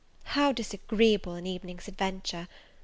How disagreeable an evening's adventure!